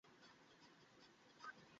এটা হচ্ছে ধূমকেতুটার লেজ!